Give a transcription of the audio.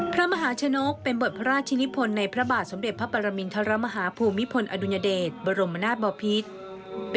พระมหาชนกเป็นบทพระราชนิพลในพระบาทสมเด็จพระปรมินทรมาฮาภูมิพลอดุญเดชบรมนาศบอพิษ